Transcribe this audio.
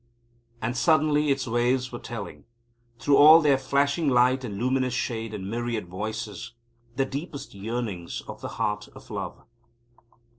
And suddenly its waves were telling, through all their flashing light and luminous shade and myriad voices, the deepest yearnings of the heart of love!